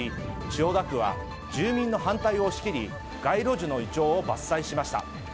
千代田区は住民の反対を押し切り街路樹のイチョウを伐採しました。